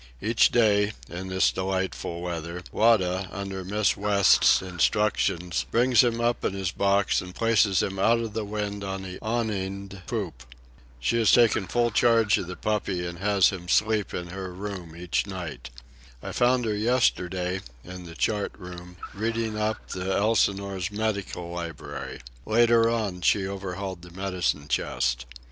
Each day, in this delightful weather, Wada, under Miss West's instructions, brings him up in his box and places him out of the wind on the awninged poop. She has taken full charge of the puppy, and has him sleep in her room each night. I found her yesterday, in the chart room, reading up the Elsinore's medical library. Later on she overhauled the medicine chest.